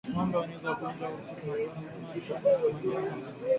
Ngombe hueneza ugonjwa wa ukurutu kwa kulala maeneo walipolala wanyama wagonjwa wa ukurutu